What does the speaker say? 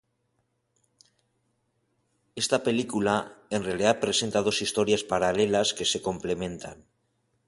Esta película en realidad presenta dos historias paralelas que se complementan.